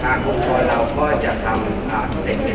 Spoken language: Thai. อาซึ่งเราก็ได้ยืน